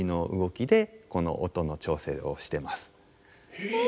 へえ。